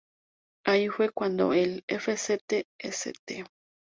Ahí fue cuando el F. C. St.